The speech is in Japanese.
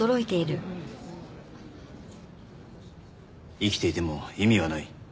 「生きていても意味はない」。